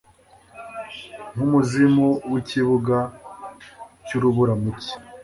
Nkumuzimu wikibuga cyurubura mu cyi